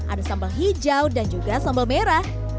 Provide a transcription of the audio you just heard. ada sambal hijau dan juga sambal merah